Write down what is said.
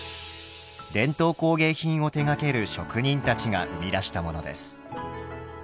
伝統工芸品を手がける職人たちが生み出したものです。